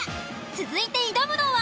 続いて挑むのは？